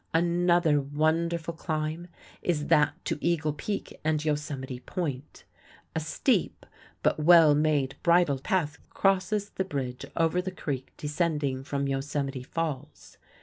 Another wonderful climb is that to Eagle Peak and Yosemite Point. A steep but well made bridle path crosses the bridge over the creek descending from Yosemite Falls.